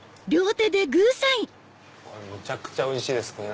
むちゃくちゃおいしいです。